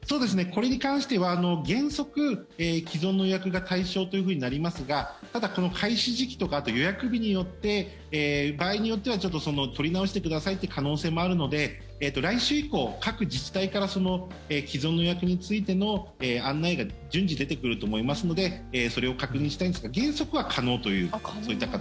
これに関しては原則、既存の予約が対象というふうになりますがただ、この開始時期とかあと予約日によって場合によっては取り直してくださいという可能性もあるので来週以降、各自治体から既存の予約についての案内が順次出てくると思いますのでそれを確認したいんですが原則は可能というそういった形。